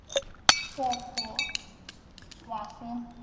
沃普瓦松。